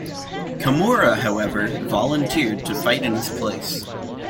Kimura, however, volunteered to fight in his place.